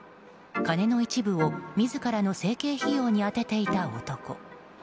金の一部を自らの整形費用に充てていた男。